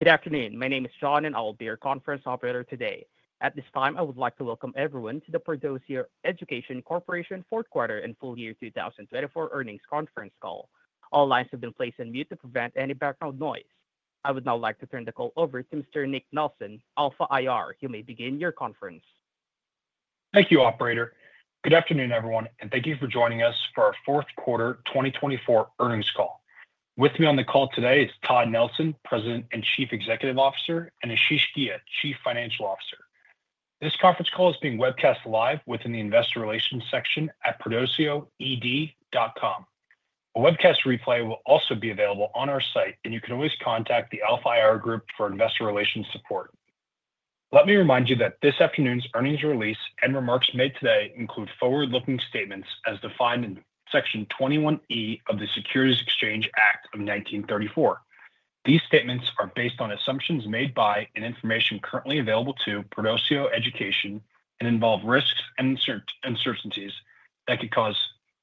Good afternoon. My name is Sean and I will be your conference operator today. At this time, I would like to welcome everyone to the Perdoceo Education Corporation Fourth Quarter and Full Year 2024 Earnings Conference Call. All lines have been placed on mute to prevent any background noise. I would now like to turn the call over to Mr. Nick Nelson, Alpha IR. You may begin your conference. Thank you, Operator. Good afternoon, everyone, and thank you for joining us for our Fourth Quarter 2024 Earnings Call. With me on the call today is Todd Nelson, President and Chief Executive Officer, and Ashish Ghia, Chief Financial Officer. This conference call is being webcast live within the Investor Relations section at perdoceo.com. A webcast replay will also be available on our site, and you can always contact the Alpha IR Group for investor relations support. Let me remind you that this afternoon's earnings release and remarks made today include forward-looking statements as defined in Section 21E of the Securities Exchange Act of 1934. These statements are based on assumptions made by and information currently available to Perdoceo Education and involve risks and uncertainties that could cause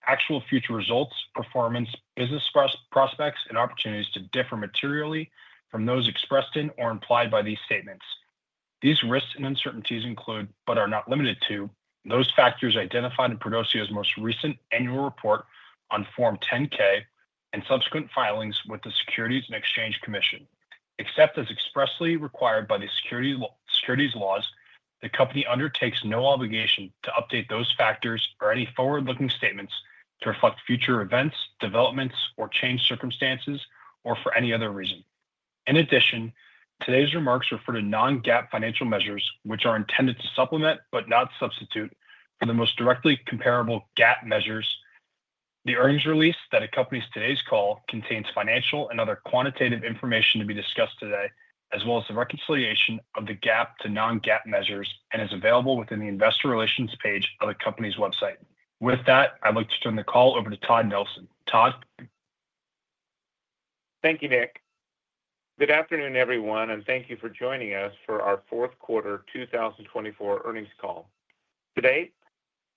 actual future results, performance, business prospects, and opportunities to differ materially from those expressed in or implied by these statements. These risks and uncertainties include, but are not limited to, those factors identified in Perdoceo's most recent annual report on Form 10-K and subsequent filings with the Securities and Exchange Commission. Except as expressly required by the securities laws, the company undertakes no obligation to update those factors or any forward-looking statements to reflect future events, developments, or change circumstances, or for any other reason. In addition, today's remarks refer to non-GAAP financial measures, which are intended to supplement but not substitute for the most directly comparable GAAP measures. The earnings release that accompanies today's call contains financial and other quantitative information to be discussed today, as well as the reconciliation of the GAAP to non-GAAP measures, and is available within the Investor Relations page of the company's website. With that, I'd like to turn the call over to Todd Nelson. Todd. Thank you, Nick. Good afternoon, everyone, and thank you for joining us for our Fourth Quarter 2024 Earnings Call. Today,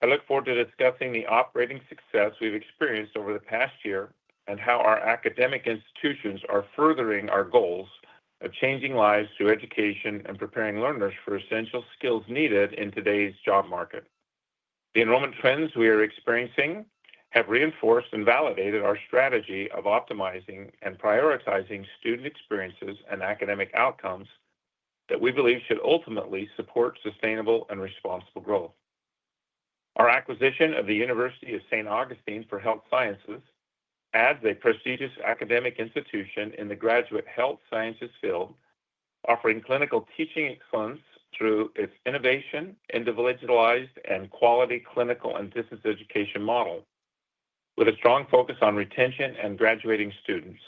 I look forward to discussing the operating success we've experienced over the past year and how our academic institutions are furthering our goals of changing lives through education and preparing learners for essential skills needed in today's job market. The enrollment trends we are experiencing have reinforced and validated our strategy of optimizing and prioritizing student experiences and academic outcomes that we believe should ultimately support sustainable and responsible growth. Our acquisition of the University of St. Augustine for Health Sciences adds a prestigious academic institution in the graduate health sciences field, offering clinical teaching excellence through its innovation, individualized, and quality clinical and distance education model, with a strong focus on retention and graduating students.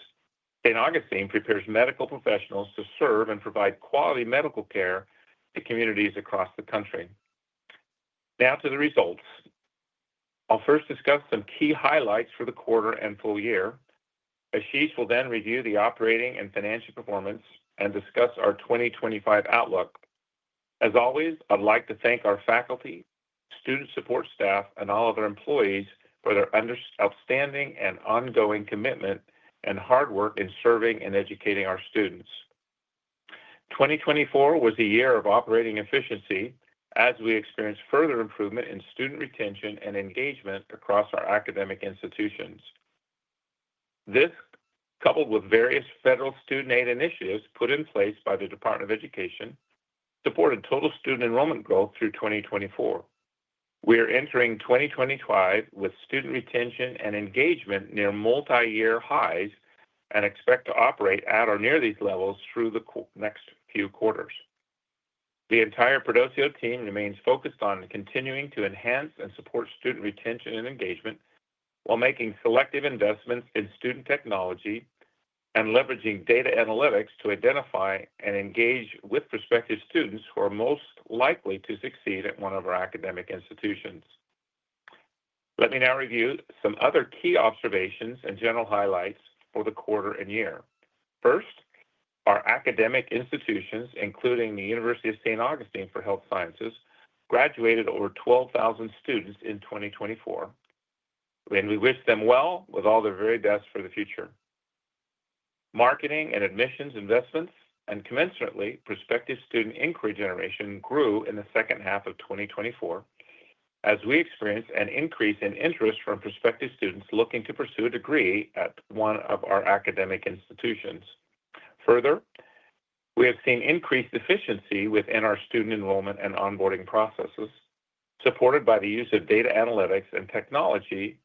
St. Augustine prepares medical professionals to serve and provide quality medical care to communities across the country. Now to the results. I'll first discuss some key highlights for the quarter and full year. Ashish will then review the operating and financial performance and discuss our 2025 outlook. As always, I'd like to thank our faculty, student support staff, and all other employees for their outstanding and ongoing commitment and hard work in serving and educating our students. 2024 was a year of operating efficiency as we experienced further improvement in student retention and engagement across our academic institutions. This, coupled with various federal student aid initiatives put in place by the Department of Education, supported total student enrollment growth through 2024. We are entering 2025 with student retention and engagement near multi-year highs and expect to operate at or near these levels through the next few quarters. The entire Perdoceo team remains focused on continuing to enhance and support student retention and engagement while making selective investments in student technology and leveraging data analytics to identify and engage with prospective students who are most likely to succeed at one of our academic institutions. Let me now review some other key observations and general highlights for the quarter and year. First, our academic institutions, including the University of St. Augustine for Health Sciences, graduated over 12,000 students in 2024, and we wish them well with all the very best for the future. Marketing and admissions investments, and conventionally, prospective student inquiry generation grew in the second half of 2024 as we experienced an increase in interest from prospective students looking to pursue a degree at one of our academic institutions. Further, we have seen increased efficiency within our student enrollment and onboarding processes, supported by the use of data analytics and technology,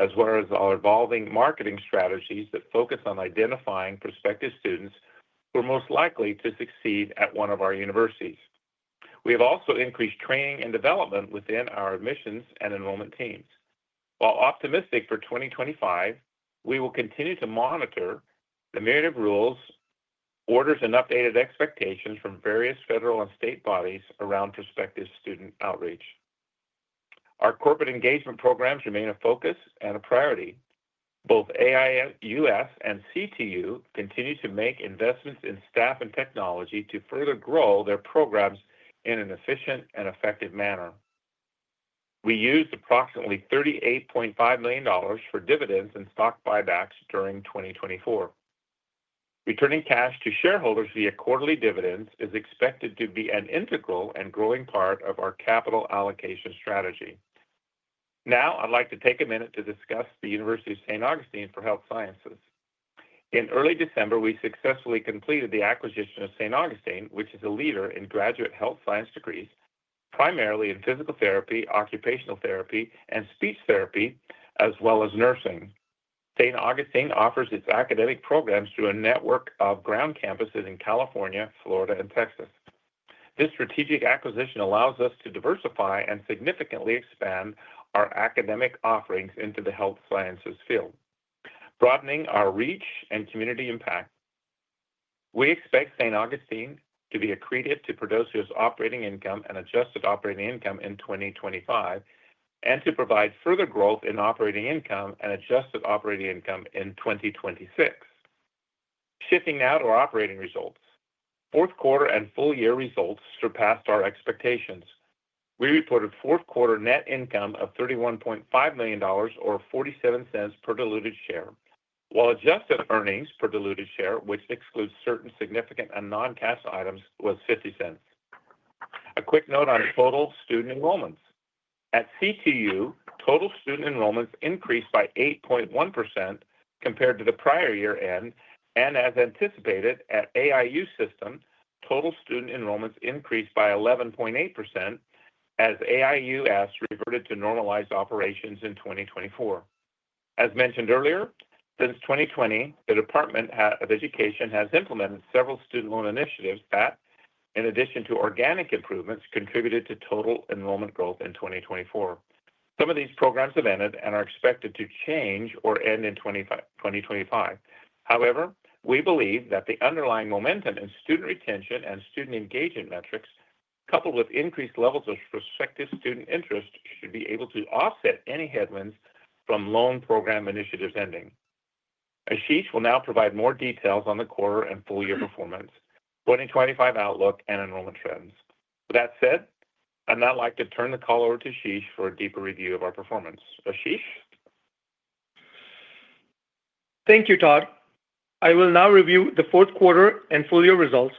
as well as our evolving marketing strategies that focus on identifying prospective students who are most likely to succeed at one of our universities. We have also increased training and development within our admissions and enrollment teams. While optimistic for 2025, we will continue to monitor the narrative rules, orders, and updated expectations from various federal and state bodies around prospective student outreach. Our corporate engagement programs remain a focus and a priority. Both AIUS and CTU continue to make investments in staff and technology to further grow their programs in an efficient and effective manner. We used approximately $38.5 million for dividends and stock buybacks during 2024. Returning cash to shareholders via quarterly dividends is expected to be an integral and growing part of our capital allocation strategy. Now, I'd like to take a minute to discuss the University of St. Augustine for Health Sciences. In early December, we successfully completed the acquisition of St. Augustine, which is a leader in graduate health science degrees, primarily in physical therapy, occupational therapy, and speech therapy, as well as nursing. St. Augustine offers its academic programs through a network of ground campuses in California, Florida, and Texas. This strategic acquisition allows us to diversify and significantly expand our academic offerings into the health sciences field, broadening our reach and community impact. We expect St. Augustine to be accretive to Perdoceo's operating income and adjusted operating income in 2025, and to provide further growth in operating income and adjusted operating income in 2026. Shifting now to our operating results, fourth quarter and full year results surpassed our expectations. We reported fourth quarter net income of $31.5 million or $0.47 per diluted share, while adjusted earnings per diluted share, which excludes certain significant and non-cash items, was $0.50. A quick note on total student enrollments. At CTU, total student enrollments increased by 8.1% compared to the prior year end, and as anticipated at AIU System, total student enrollments increased by 11.8% as AIUS reverted to normalized operations in 2024. As mentioned earlier, since 2020, the Department of Education has implemented several student loan initiatives that, in addition to organic improvements, contributed to total enrollment growth in 2024. Some of these programs have ended and are expected to change or end in 2025. However, we believe that the underlying momentum in student retention and student engagement metrics, coupled with increased levels of prospective student interest, should be able to offset any headwinds from loan program initiatives ending. Ashish will now provide more details on the quarter and full year performance, 2025 outlook, and enrollment trends. With that said, I'd now like to turn the call over to Ashish for a deeper review of our performance. Ashish. Thank you, Todd. I will now review the fourth quarter and full year results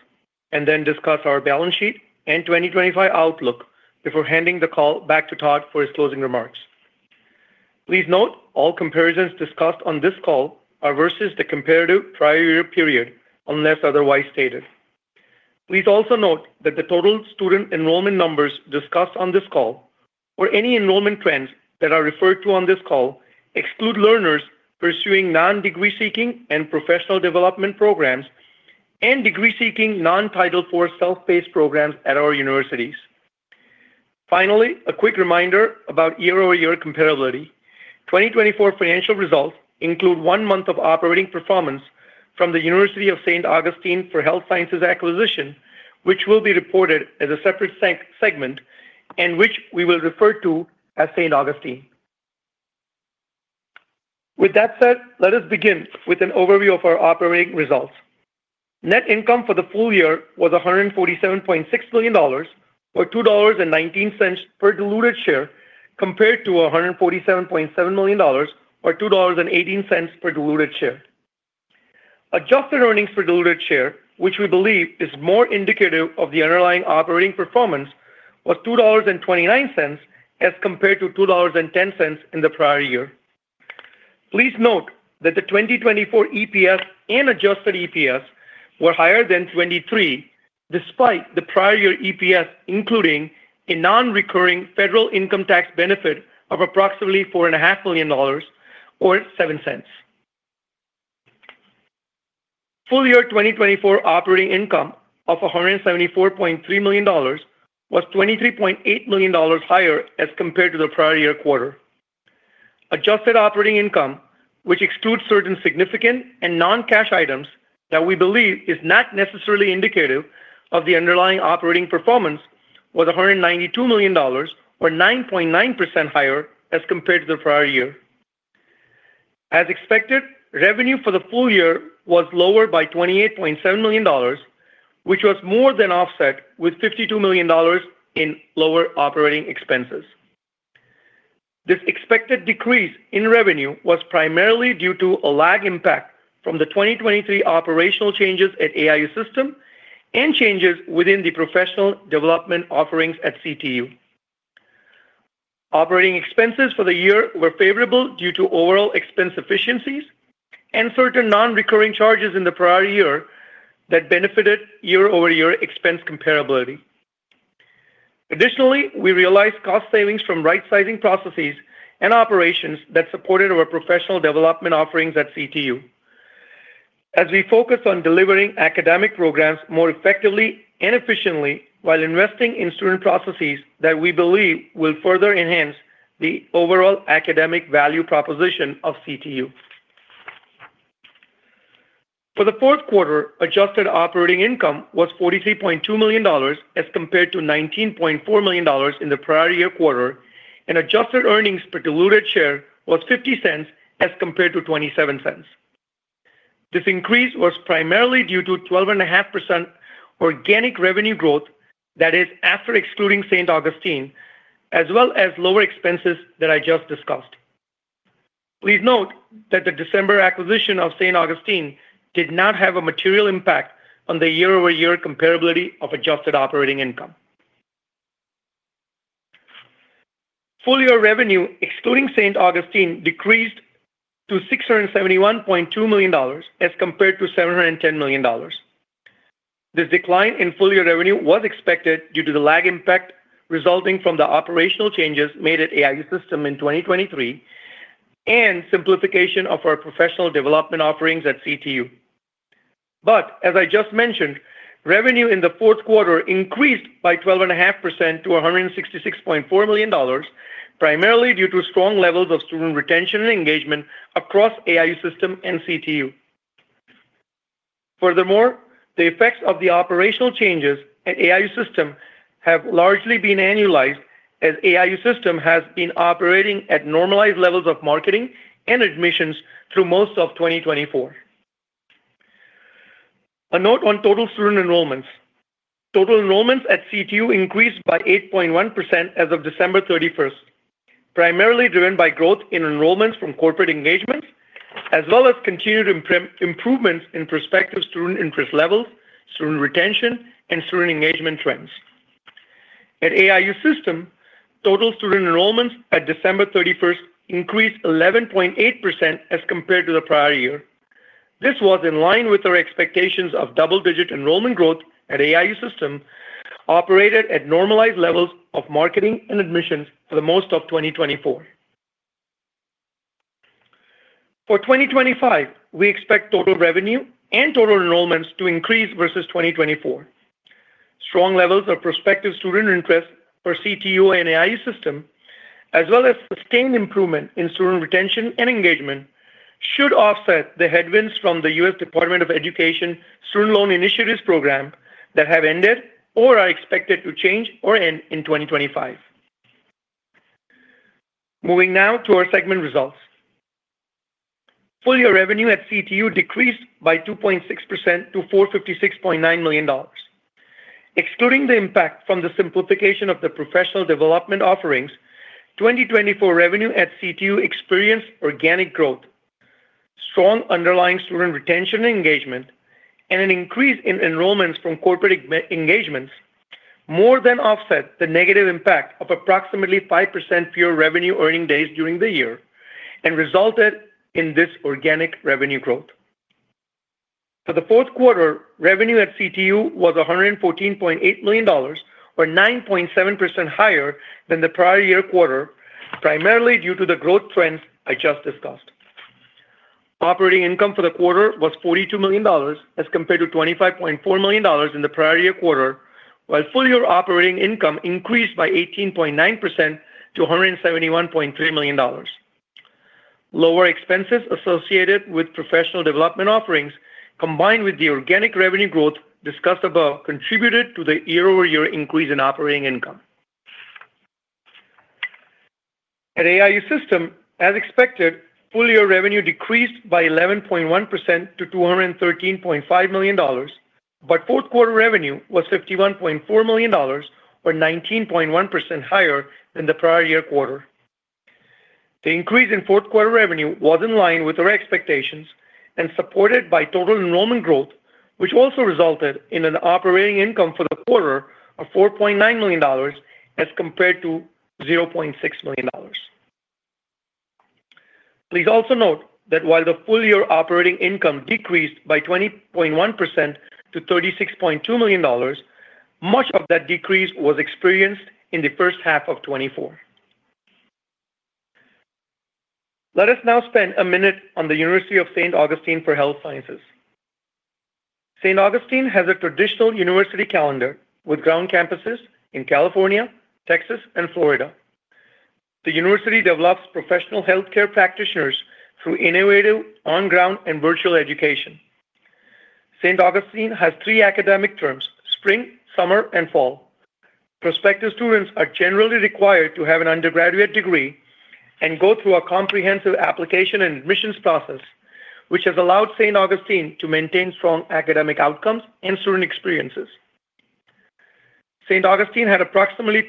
and then discuss our balance sheet and 2025 outlook before handing the call back to Todd for his closing remarks. Please note all comparisons discussed on this call are versus the comparative prior year period, unless otherwise stated. Please also note that the total student enrollment numbers discussed on this call, or any enrollment trends that are referred to on this call, exclude learners pursuing non-degree seeking and professional development programs and degree seeking Non-Title IV self-paced programs at our universities. Finally, a quick reminder about year-over-year comparability. 2024 financial results include one month of operating performance from the University of St. Augustine for Health Sciences acquisition, which will be reported as a separate segment and which we will refer to as St. Augustine. With that said, let us begin with an overview of our operating results. Net income for the full year was $147.6 million or $2.19 per diluted share, compared to $147.7 million or $2.18 per diluted share. Adjusted earnings per diluted share, which we believe is more indicative of the underlying operating performance, was $2.29 as compared to $2.10 in the prior year. Please note that the 2024 EPS and adjusted EPS were higher than 2023, despite the prior year EPS including a non-recurring federal income tax benefit of approximately $4.5 million or $0.07. Full year 2024 operating income of $174.3 million was $23.8 million higher as compared to the prior year quarter. Adjusted operating income, which excludes certain significant and non-cash items that we believe is not necessarily indicative of the underlying operating performance, was $192 million or 9.9% higher as compared to the prior year. As expected, revenue for the full year was lower by $28.7 million, which was more than offset with $52 million in lower operating expenses. This expected decrease in revenue was primarily due to a lag impact from the 2023 operational changes at AIU System and changes within the professional development offerings at CTU. Operating expenses for the year were favorable due to overall expense efficiencies and certain non-recurring charges in the prior year that benefited year-over-year expense comparability. Additionally, we realized cost savings from right-sizing processes and operations that supported our professional development offerings at CTU. As we focus on delivering academic programs more effectively and efficiently while investing in student processes that we believe will further enhance the overall academic value proposition of CTU. For the fourth quarter, adjusted operating income was $43.2 million as compared to $19.4 million in the prior year quarter, and adjusted earnings per diluted share was $0.50 as compared to $0.27. This increase was primarily due to 12.5% organic revenue growth, that is, after excluding St. Augustine, as well as lower expenses that I just discussed. Please note that the December acquisition of St. Augustine did not have a material impact on the year-over-year comparability of adjusted operating income. Full year revenue, excluding St. Augustine, decreased to $671.2 million as compared to $710 million. This decline in full year revenue was expected due to the lag impact resulting from the operational changes made at AIU System in 2023 and simplification of our professional development offerings at CTU. But, as I just mentioned, revenue in the fourth quarter increased by 12.5% to $166.4 million, primarily due to strong levels of student retention and engagement across AIU System and CTU. Furthermore, the effects of the operational changes at AIU System have largely been annualized as AIU System has been operating at normalized levels of marketing and admissions through most of 2024. A note on total student enrollments. Total enrollments at CTU increased by 8.1% as of December 31st, primarily driven by growth in enrollments from corporate engagements, as well as continued improvements in prospective student interest levels, student retention, and student engagement trends. At AIU System, total student enrollments at December 31st increased 11.8% as compared to the prior year. This was in line with our expectations of double-digit enrollment growth at AIU System, operated at normalized levels of marketing and admissions for most of 2024. For 2025, we expect total revenue and total enrollments to increase versus 2024. Strong levels of prospective student interest for CTU and AIU System, as well as sustained improvement in student retention and engagement, should offset the headwinds from the U.S. Department of Education student loan initiatives program that have ended or are expected to change or end in 2025. Moving now to our segment results. Full year revenue at CTU decreased by 2.6% to $456.9 million. Excluding the impact from the simplification of the professional development offerings, 2024 revenue at CTU experienced organic growth. Strong underlying student retention and engagement, and an increase in enrollments from corporate engagements, more than offset the negative impact of approximately 5% fewer revenue-earning days during the year and resulted in this organic revenue growth. For the fourth quarter, revenue at CTU was $114.8 million or 9.7% higher than the prior year quarter, primarily due to the growth trends I just discussed. Operating income for the quarter was $42 million as compared to $25.4 million in the prior year quarter, while full year operating income increased by 18.9% to $171.3 million. Lower expenses associated with professional development offerings, combined with the organic revenue growth discussed above, contributed to the year-over-year increase in operating income. At AIU System, as expected, full year revenue decreased by 11.1% to $213.5 million, but fourth quarter revenue was $51.4 million or 19.1% higher than the prior year quarter. The increase in fourth quarter revenue was in line with our expectations and supported by total enrollment growth, which also resulted in an operating income for the quarter of $4.9 million as compared to $0.6 million. Please also note that while the full year operating income decreased by 20.1% to $36.2 million, much of that decrease was experienced in the first half of 2024. Let us now spend a minute on the University of St. Augustine for Health Sciences. St. Augustine has a traditional university calendar with ground campuses in California, Texas, and Florida. The university develops professional healthcare practitioners through innovative on-ground and virtual education. St. Augustine has three academic terms: spring, summer, and fall. Prospective students are generally required to have an undergraduate degree and go through a comprehensive application and admissions process, which has allowed St. Augustine to maintain strong academic outcomes and student experiences. St. Augustine had approximately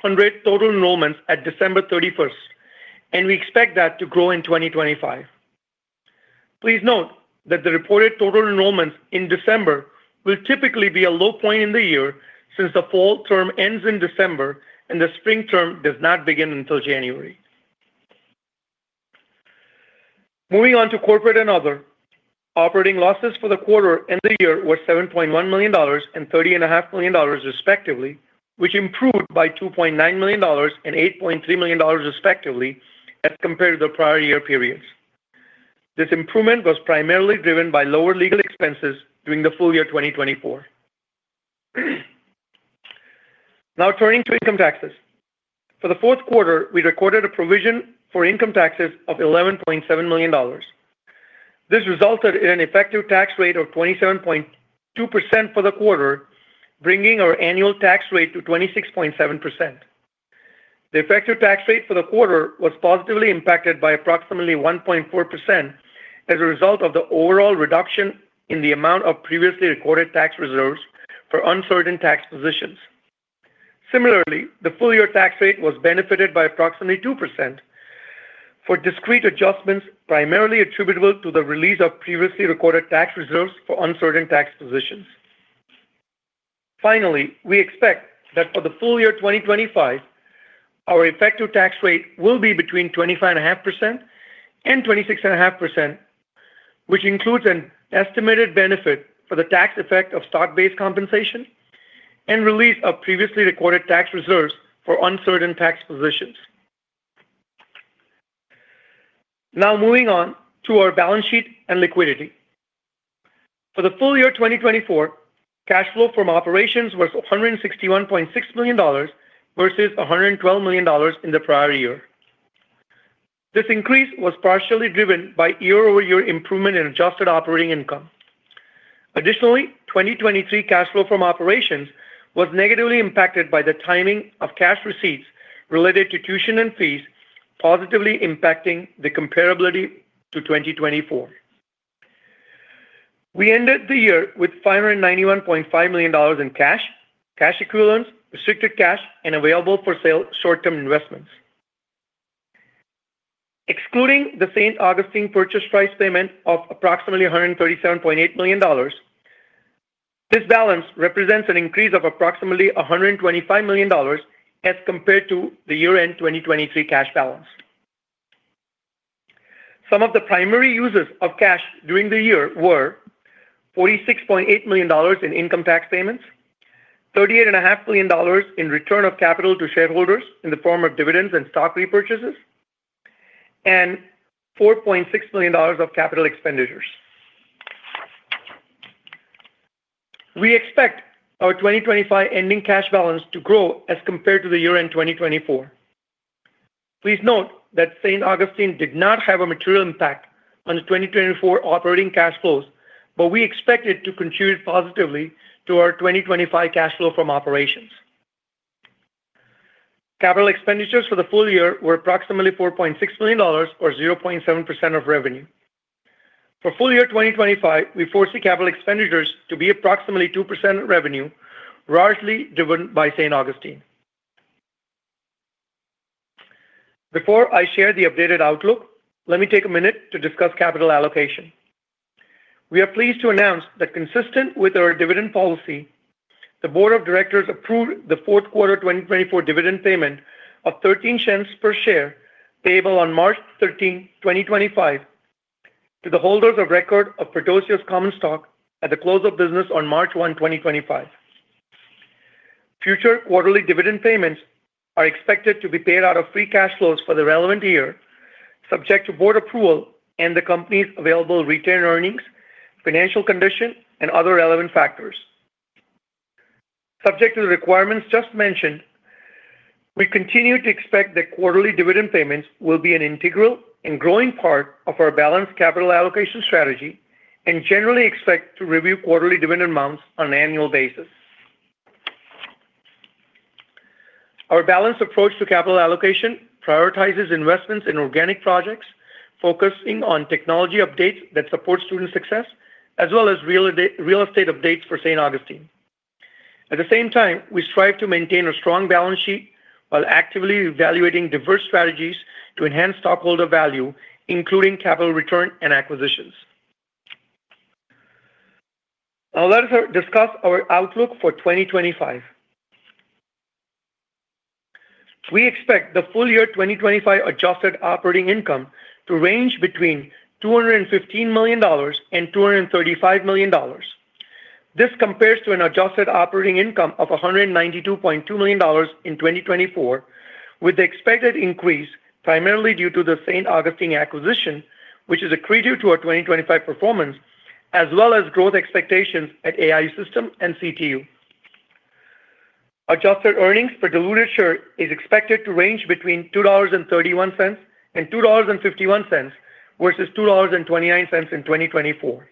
3,800 total enrollments at December 31st, and we expect that to grow in 2025. Please note that the reported total enrollments in December will typically be a low point in the year since the fall term ends in December and the spring term does not begin until January. Moving on to corporate and other, operating losses for the quarter and the year were $7.1 million and $30.5 million, respectively, which improved by $2.9 million and $8.3 million respectively as compared to the prior year periods. This improvement was primarily driven by lower legal expenses during the full year 2024. Now turning to income taxes. For the fourth quarter, we recorded a provision for income taxes of $11.7 million. This resulted in an effective tax rate of 27.2% for the quarter, bringing our annual tax rate to 26.7%. The effective tax rate for the quarter was positively impacted by approximately 1.4% as a result of the overall reduction in the amount of previously recorded tax reserves for uncertain tax positions. Similarly, the full year tax rate was benefited by approximately 2% for discrete adjustments primarily attributable to the release of previously recorded tax reserves for uncertain tax positions. Finally, we expect that for the full year 2025, our effective tax rate will be between 25.5% and 26.5%, which includes an estimated benefit for the tax effect of stock-based compensation and release of previously recorded tax reserves for uncertain tax positions. Now moving on to our balance sheet and liquidity. For the full year 2024, cash flow from operations was $161.6 million versus $112 million in the prior year. This increase was partially driven by year-over-year improvement in adjusted operating income. Additionally, 2023 cash flow from operations was negatively impacted by the timing of cash receipts related to tuition and fees, positively impacting the comparability to 2024. We ended the year with $591.5 million in cash, cash equivalents, restricted cash, and available-for-sale short-term investments. Excluding the St. Augustine purchase price payment of approximately $137.8 million, this balance represents an increase of approximately $125 million as compared to the year-end 2023 cash balance. Some of the primary uses of cash during the year were $46.8 million in income tax payments, $38.5 million in return of capital to shareholders in the form of dividends and stock repurchases, and $4.6 million of capital expenditures. We expect our 2025 ending cash balance to grow as compared to the year-end 2024. Please note that St. Augustine did not have a material impact on the 2024 operating cash flows, but we expect it to contribute positively to our 2025 cash flow from operations. Capital expenditures for the full year were approximately $4.6 million or 0.7% of revenue. For full year 2025, we foresee capital expenditures to be approximately 2% of revenue, largely driven by St. Augustine. Before I share the updated outlook, let me take a minute to discuss capital allocation. We are pleased to announce that consistent with our dividend policy, the Board of Directors approved the fourth quarter 2024 dividend payment of $0.13 per share payable on March 13, 2025, to the holders of record of Perdoceo Common Stock at the close of business on March 1, 2025. Future quarterly dividend payments are expected to be paid out of free cash flows for the relevant year, subject to board approval and the company's available retained earnings, financial condition, and other relevant factors. Subject to the requirements just mentioned, we continue to expect that quarterly dividend payments will be an integral and growing part of our balanced capital allocation strategy and generally expect to review quarterly dividend amounts on an annual basis. Our balanced approach to capital allocation prioritizes investments in organic projects focusing on technology updates that support student success, as well as real estate updates for St. Augustine. At the same time, we strive to maintain a strong balance sheet while actively evaluating diverse strategies to enhance stockholder value, including capital return and acquisitions. Now let us discuss our outlook for 2025. We expect the full year 2025 adjusted operating income to range between $215 million and $235 million. This compares to an adjusted operating income of $192.2 million in 2024, with the expected increase primarily due to the St. Augustine acquisition, which is a credit to our 2025 performance, as well as growth expectations at AIU System and CTU. Adjusted earnings per diluted share is expected to range between $2.31 and $2.51 versus $2.29 in 2024.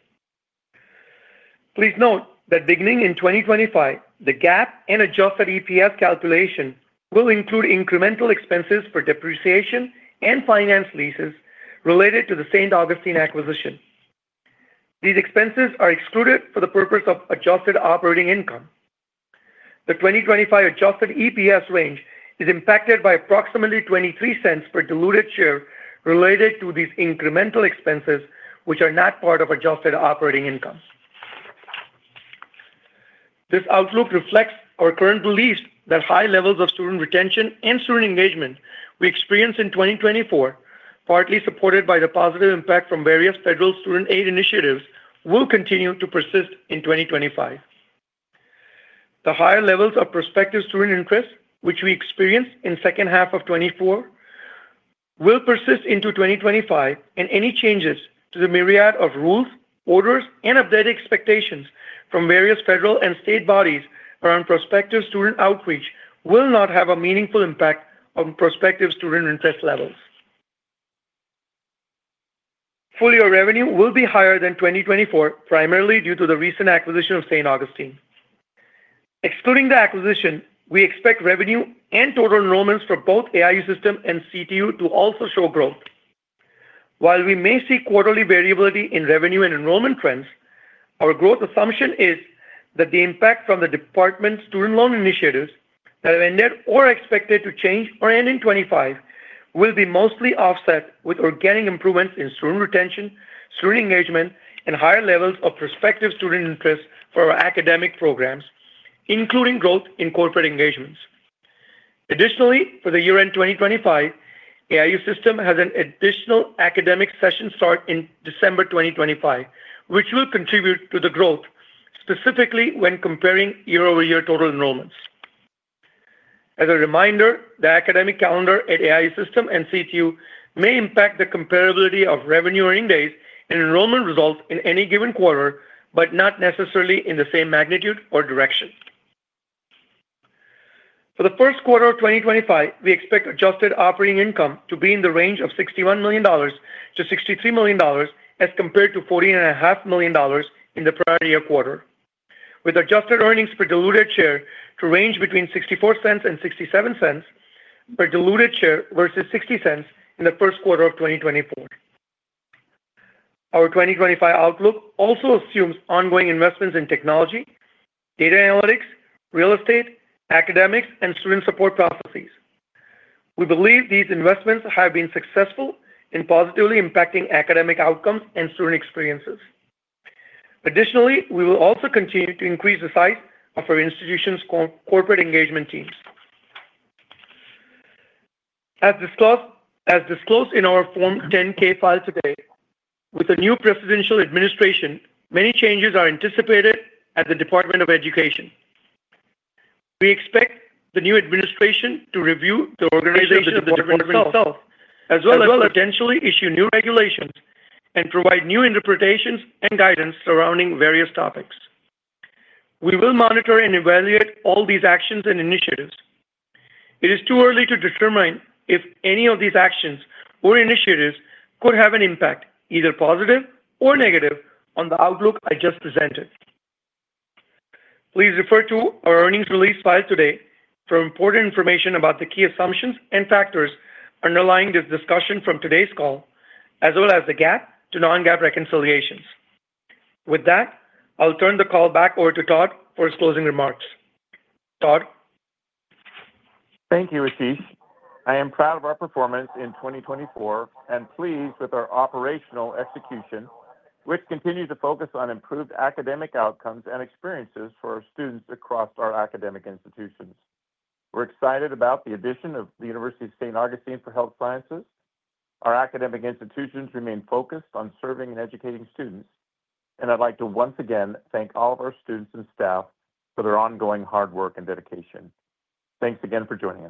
Please note that beginning in 2025, the GAAP and adjusted EPS calculation will include incremental expenses for depreciation and finance leases related to the St. Augustine acquisition. These expenses are excluded for the purpose of adjusted operating income. The 2025 adjusted EPS range is impacted by approximately $0.23 per diluted share related to these incremental expenses, which are not part of adjusted operating income. This outlook reflects our current belief that high levels of student retention and student engagement we experienced in 2024, partly supported by the positive impact from various federal student aid initiatives, will continue to persist in 2025. The higher levels of prospective student interest, which we experienced in the second half of 2024, will persist into 2025, and any changes to the myriad of rules, orders, and updated expectations from various federal and state bodies around prospective student outreach will not have a meaningful impact on prospective student interest levels. Full year revenue will be higher than 2024, primarily due to the recent acquisition of St. Augustine. Excluding the acquisition, we expect revenue and total enrollments for both AIU System and CTU to also show growth. While we may see quarterly variability in revenue and enrollment trends, our growth assumption is that the impact from the department's student loan initiatives that have ended or are expected to change or end in 2025 will be mostly offset with organic improvements in student retention, student engagement, and higher levels of prospective student interest for our academic programs, including growth in corporate engagements. Additionally, for the year-end 2025, AIU System has an additional academic session start in December 2025, which will contribute to the growth, specifically when comparing year-over-year total enrollments. As a reminder, the academic calendar at AIU System and CTU may impact the comparability of revenue-earning days and enrollment results in any given quarter, but not necessarily in the same magnitude or direction. For the first quarter of 2025, we expect adjusted operating income to be in the range of $61-$63 million as compared to $14.5 million in the prior year quarter, with adjusted earnings per diluted share to range between $0.64 and $0.67 per diluted share versus $0.60 in the first quarter of 2024. Our 2025 outlook also assumes ongoing investments in technology, data analytics, real estate, academics, and student support processes. We believe these investments have been successful in positively impacting academic outcomes and student experiences. Additionally, we will also continue to increase the size of our institution's corporate engagement teams. As disclosed in our Form 10-K filed today, with the new presidential administration, many changes are anticipated at the Department of Education. We expect the new administration to review the organization of the department itself, as well as potentially issue new regulations and provide new interpretations and guidance surrounding various topics. We will monitor and evaluate all these actions and initiatives. It is too early to determine if any of these actions or initiatives could have an impact, either positive or negative, on the outlook I just presented. Please refer to our earnings release filed today for important information about the key assumptions and factors underlying this discussion from today's call, as well as the GAAP to non-GAAP reconciliations. With that, I'll turn the call back over to Todd for his closing remarks. Todd? Thank you, Ashish. I am proud of our performance in 2024 and pleased with our operational execution, which continues to focus on improved academic outcomes and experiences for our students across our academic institutions. We're excited about the addition of the University of St. Augustine for Health Sciences. Our academic institutions remain focused on serving and educating students, and I'd like to once again thank all of our students and staff for their ongoing hard work and dedication. Thanks again for joining us.